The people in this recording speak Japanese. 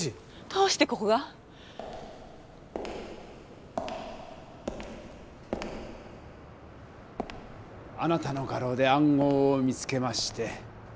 どうしてここが？あなたの画廊で暗号を見つけまして。